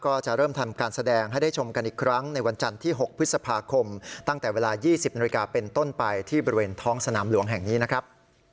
ก็จะเริ่มทำการแสดงให้ได้ชมกันอีกครั้งในวันจันทร์ที่๖พฤษภาคมตั้งแต่เวลา๒๐นาฬิกาเป็นต้นไปที่บริเวณท้องสนามหลวงแห่งนี้นะครับ